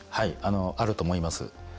あると思います。